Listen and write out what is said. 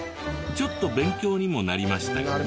ちょっと勉強にもなりましたよね。